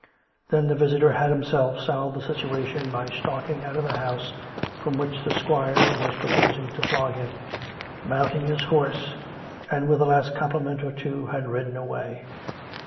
Then the visitor had himself solved the situation by stalking out of the house from which the squire was proposing to flog him, mount ing his horse, and with a last compliment or two had rid den away.